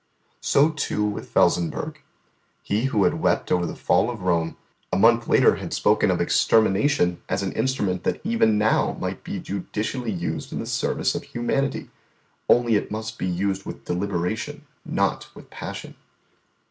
So, too, with Felsenburgh; He who had wept over the Fall of Rome, a month later had spoken of extermination as an instrument that even now might be judicially used in the service of humanity. Only it must be used with deliberation, not with passion.